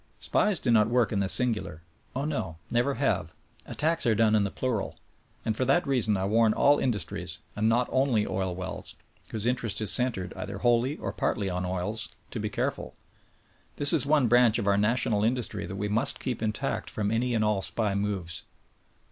SPIES do not work in the singular — oh, no, never have — attacks are done in the plural. And for that reason I warn all industries (and not only oil wells) whose interest is centered, either wholly or partly on oils, to be careful. This is one branch of our national industry that we must keep intact from any and all SPY moves.